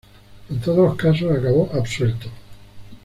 En todos los casos acabó absuelto.